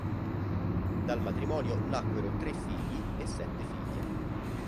Dal matrimonio nacquero tre figli e sette figlie.